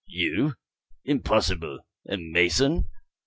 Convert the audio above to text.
"You? Impossible! A mason?"